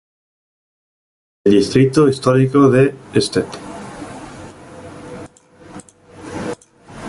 El Distrito histórico de St.